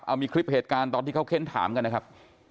เอามีคลิปเหตุการณ์ตอนที่เขาเค้นถามกันนะครับ